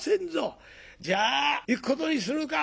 「じゃあ行くことにするか」。